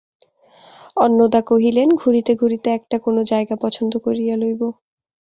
অন্নদা কহিলেন, ঘুরিতে ঘুরিতে একটা কোনো জায়গা পছন্দ করিয়া লইব।